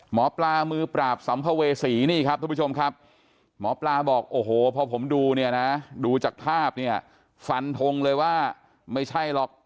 หมอปลามือปราบสัมภเวษีนี่ครับทุกผู้ชมครับหมอปลาบอกโอ้โหพอผมดูเนี่ยนะดูจากภาพเนี่ยฟันทงเลยว่าไม่ใช่หรอก